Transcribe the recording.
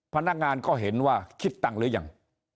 พนักงานก็เห็นว่าคิดตั้งหรือยัง